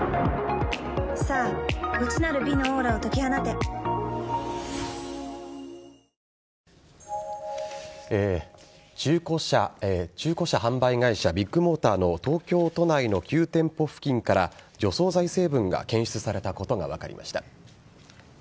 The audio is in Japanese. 避難した多くの人は１５日夜から中古車販売会社ビッグモーターの東京都内の９店舗付近から除草剤成分が検出されたことが分かりました。